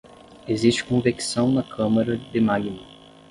Existe convecção na câmara de magma.